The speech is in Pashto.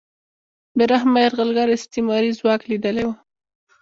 بې رحمه یرغلګر استعماري ځواک لیدلی و